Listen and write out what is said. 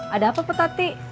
ada apa kota ti